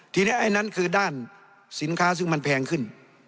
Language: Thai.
ทีนี้ไอ้นั้นคือด้านสินค้าซึ่งมันแพงขึ้น